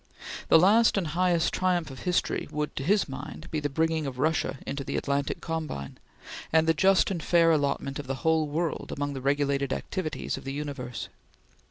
The last and highest triumph of history would, to his mind, be the bringing of Russia into the Atlantic combine, and the just and fair allotment of the whole world among the regulated activities of the universe.